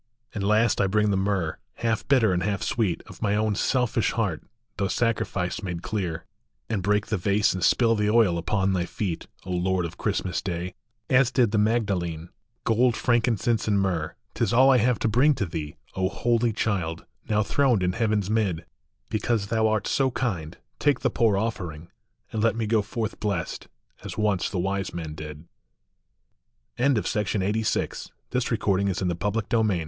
And last I bring the myrrh, half bitter and half sweet, Of my own selfish heart, through sacrifice made cleai And break the vase and spill the oil upon thy feet, O Lord of Christmas Day, as did the Magdalene. Gold, frankincense, and myrrh, t is all I have to brii To thee, O Holy Child, now throned in heaven s mid Because thou art so kind, take the poor offering, And let me go forth blessed, as once the Wise Men d A THOUGHT. 219 A THO